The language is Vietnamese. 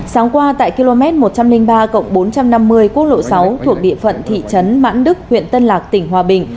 sáng qua tại km một trăm linh ba bốn trăm năm mươi quốc lộ sáu thuộc địa phận thị trấn mãn đức huyện tân lạc tỉnh hòa bình